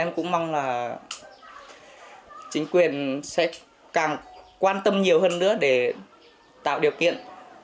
em cũng mong là chính quyền sẽ càng quan tâm nhiều hơn nữa để tạo điều kiện